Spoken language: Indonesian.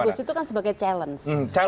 bagus itu kan sebagai challenge